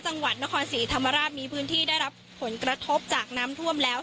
จังหวัดนครศรีธรรมราชมีพื้นที่ได้รับผลกระทบจากน้ำท่วมแล้ว